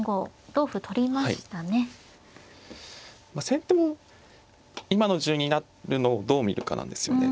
先手も今の順になるのをどう見るかなんですよね。